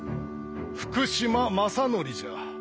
福島正則じゃ。